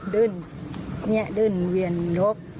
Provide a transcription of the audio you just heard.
ดึงนี่ดึงเวียนหก